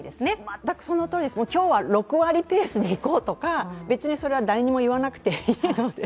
全くそのとおりです、今日は６割ペースでいこうとか、別にそれは誰にも言わなくていいので。